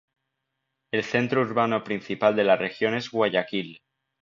El centro urbano principal de la región es Guayaquil.